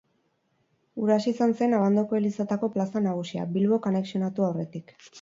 Huraxe izan zen Abandoko Elizateko plaza nagusia, Bilbok anexionatu aurretik.